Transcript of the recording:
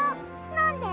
なんで！？